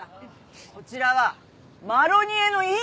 こちらはマロニエの院長だ。